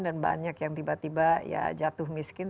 dan banyak yang tiba tiba jatuh miskin